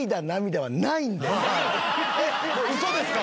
えっウソですか？